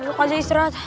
duduk aja istirahat